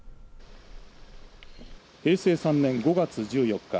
平成３年５月１４日